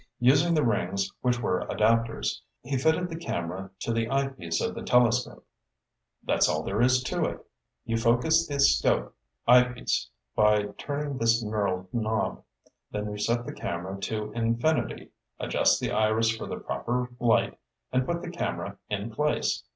Using the rings, which were adapters, he fitted the camera to the eyepiece of the telescope. "That's all there is to it. You focus the 'scope eyepiece by turning this knurled knob. Then you set the camera to infinity, adjust the iris for the proper light, and put the camera in place.